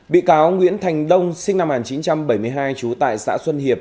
bị cáo nguyễn thành đông sinh năm một nghìn chín trăm bảy mươi hai trú tại xã xuân hiệp